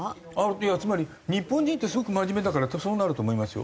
いやつまり日本人ってすごく真面目だからそうなると思いますよ。